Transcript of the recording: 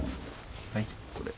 はい？